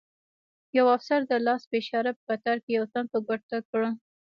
یو افسر د لاس په اشاره په قطار کې یو تن په ګوته کړ.